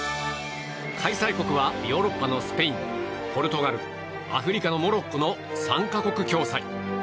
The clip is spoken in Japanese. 開催国はヨーロッパのスペインポルトガルアフリカのモロッコの３か国共催。